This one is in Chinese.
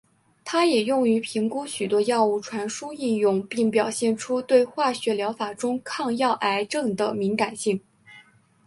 它也用于评估许多药物传输应用并表现出对化学疗法中抗药癌症的敏感性。